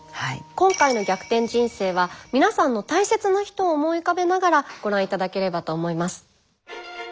今回の「逆転人生」は皆さんの大切な人を思い浮かべながらご覧頂ければと思います。